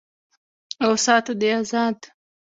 او ساتو دې آزاد